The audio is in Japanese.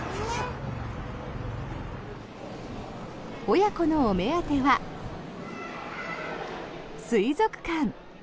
親子のお目当ては水族館。